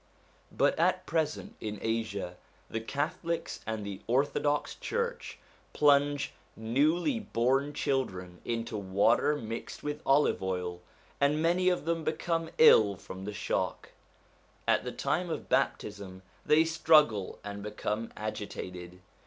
But at present in Asia, the Catholics and the Orthodox Church plunge newly born children into water mixed with olive oil, and many of them become ill from the shock ; at the time of baptism they struggle and become agitated.